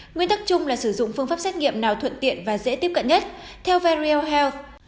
nguyên tắc chung là sử dụng phương pháp xét nghiệm nào thuận tiện và dễ tiếp cận nhất theo ver hall